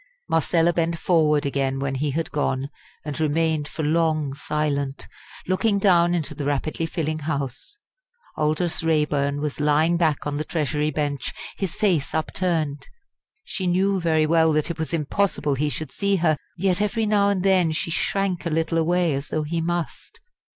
Marcella bent forward again when he had gone, and remained for long silent, looking down into the rapidly filling House. Aldous Raeburn was lying back on the Treasury bench, his face upturned. She knew very well that it was impossible he should see her; yet every now and then she shrank a little away as though he must.